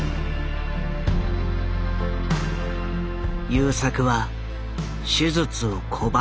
優作は手術を拒んだ。